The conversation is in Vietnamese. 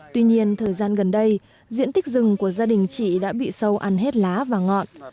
tuy nhiên thời gian gần đây diện tích rừng của gia đình chị đã bị sâu ăn hết lá và ngọn